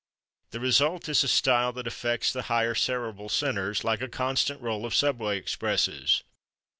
The result is a style that affects the higher cerebral centers like a constant roll of subway expresses.